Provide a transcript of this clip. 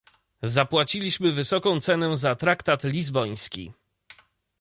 Zapłaciliśmy wysoką cenę za traktat lizboński